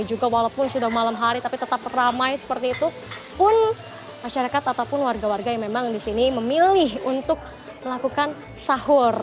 dan juga walaupun sudah malam hari tetapi tetap ramai seperti itu pun masyarakat ataupun warga warga yang memang disini memilih untuk melakukan sahur